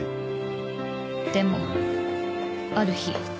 でもある日。